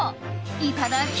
いただき！